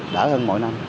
đỡ hơn mỗi năm